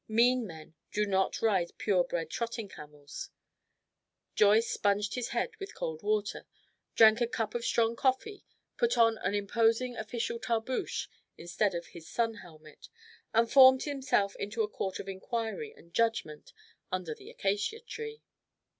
Mean men do not ride pure bred trotting camels. Joyce sponged his head with cold water, drank a cup of strong coffee, put on an imposing official tarboosh instead of his sun helmet, and formed himself into a court of inquiry and judgment under the acacia tree.